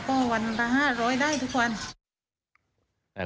ก็วันร้านทาง๕๐๐ได้ทุกวัน